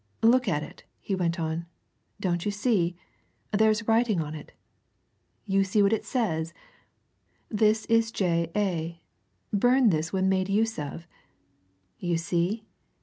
"Look at it!" he went on. "Do you see? there's writing on it! You see what it says? 'This is J.A. Burn this when made use of.' You see?